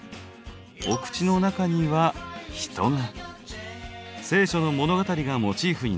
お口の中には人が。